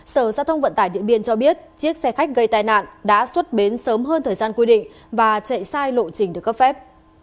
sở giao thông vận tải điện biên cho biết chiếc xe khách gây tai nạn đã xuất bến sớm hơn thời gian quy định và chạy sai lộ trình được cấp phép